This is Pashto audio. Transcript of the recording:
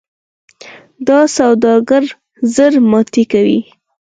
دا سوداګر زړه ماتې کوي.